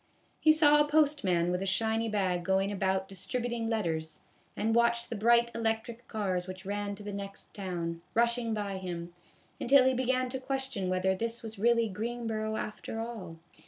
He saw a postman with a shiny bag going about distributing letters, and watched the bright electric cars which ran to the next town, rushing by him, until he began to question whether this was really Greenboro after all.